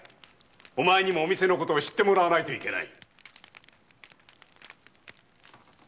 お前にもお店のことを知ってもらわないといけない。